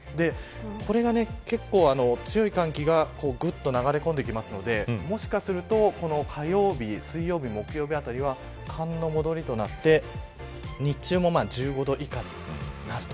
これが結構強い寒気が流れ込んでくるのでもしかすると火曜日水曜日、木曜日あたりは寒の戻りとなって日中も１５度以下になると。